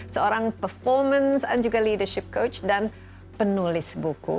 seorang performance and juga leadership coach dan penulis buku